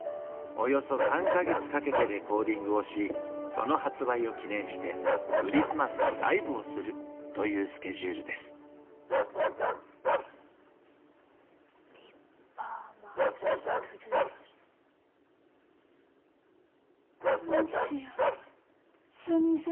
およそ３か月かけてレコーディングをしその発売を記念してクリスマスにライブをするというスケジュールです「ディッパーマウスブルース」。